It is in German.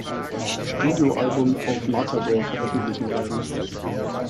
Studioalbum auf Matador veröffentlichen werden.